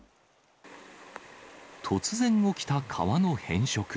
突然起きた川の変色。